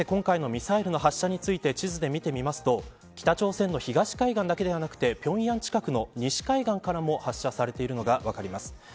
あらためて今回のミサイル発射について地図で見てみると北朝鮮の東海岸だけではあなくて平壌近くの西海岸からも発射されているのが分かります。